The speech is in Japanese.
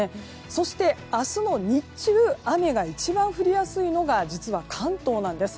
そして、明日の日中雨が一番降りやすいのが関東なんです。